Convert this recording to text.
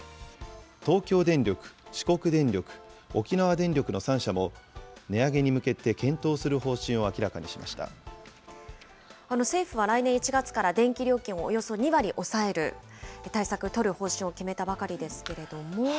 東京電力、四国電力、沖縄電力の３社も、値上げに向けて検討する政府は来年１月から電気料金およそ２割抑える対策取る方針を決めたばかりですけれども。